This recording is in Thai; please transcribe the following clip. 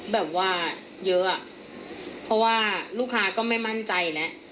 แบบว่าเยอะอ่ะเพราะว่าลูกค้าก็ไม่มั่นใจแล้ว